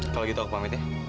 kalau gitu aku pamit ya